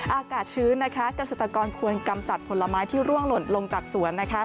อากาศชื้นเกษตรกรควรกำจัดผลไม้ที่ร่วงหล่นลงจากสวน